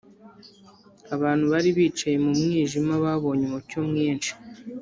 Abantu bari bicaye mu mwijima babonye umucyo mwinshi